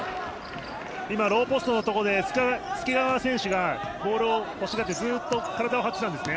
今、ローポストのところで介川選手がボールを欲しがってずっと体を張ってたんですね。